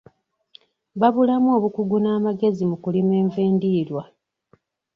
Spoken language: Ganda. Babulamu obukugu n'amagezi mu kulima enva endiirwa.